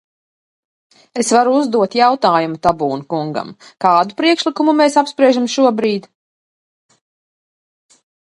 Es varu uzdot jautājumu Tabūna kungam: kādu priekšlikumu mēs apspriežam šobrīd?